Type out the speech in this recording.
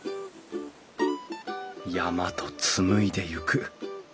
山と紡いでゆく。